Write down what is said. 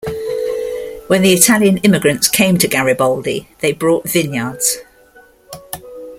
When the Italian immigrants came to Garibaldi they brought vineyards.